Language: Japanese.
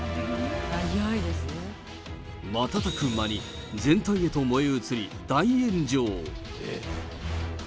瞬く間に、全体へと燃え移り、大炎上。